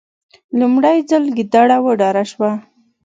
لومړی ځل ګیدړه وډار شوه.